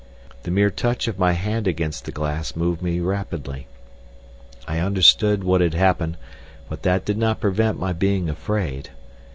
The mere touch of my hand against the glass moved me rapidly. I understood what had happened, but that did not prevent my being afraid.